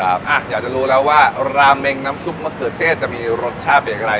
อยากจะรู้แล้วว่าราเมงน้ำซุปมะเขือเทศจะมีรสชาติอย่างไร